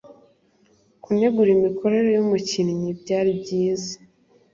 Kunegura imikorere yumukinnyi byari byiza.